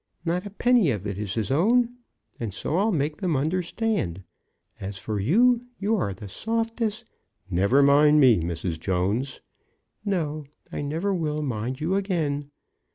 Not a penny of it is his own, and so I'll make them understand. As for you, you are the softest " "Never mind me, Mrs. Jones." "No; I never will mind you again.